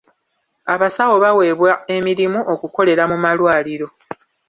Abasawo baweebwa emirimu okukolera mu malwaliro.